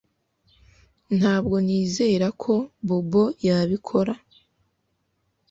Ntabwo nizera ko Bobo yabikora